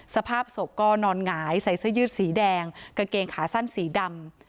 สภาพศพก็นอนหงายใส่เสื้อยืดสีแดงกางเกงขาสั้นสีดำ